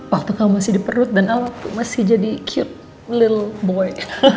waktu kamu masih di perut dan alt masih jadi cute little boy